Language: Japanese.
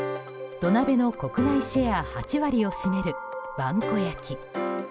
土鍋の国内シェア８割を占める萬古焼。